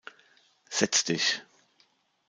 Setz dich!